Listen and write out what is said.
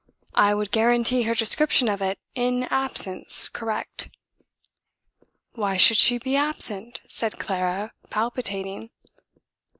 I would guarantee her description of it in absence correct." "Why should she be absent?" said Clara, palpitating.